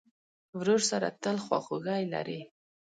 ورور سره تل خواخوږی لرې.